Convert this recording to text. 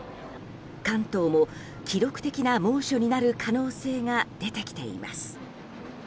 関東も記録的な猛暑になる可能性が出てきています。